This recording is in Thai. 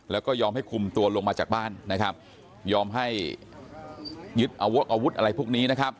แล้วก็ยอมให้คุมตัวลงมาจากบ้านยอมให้ยึดอาวุธอะไรพวกนี้